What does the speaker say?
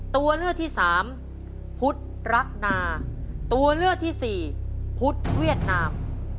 ตัวเลือกที่สามพุทธรักนาตัวเลือกที่สี่พุทธเวียดนาม